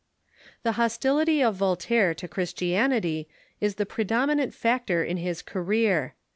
The hostility of Voltaire to Christianity is the predominant factor in his career.